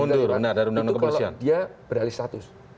itu kalau dia beralih status